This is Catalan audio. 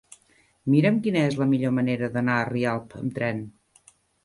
Mira'm quina és la millor manera d'anar a Rialp amb tren.